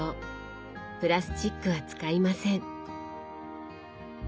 プラスチックは使いません。